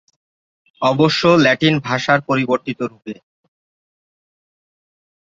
অবশ্য ল্যাটিন ভাষার পরিবর্তিত রূপে।